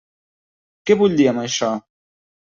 Què vull dir amb això?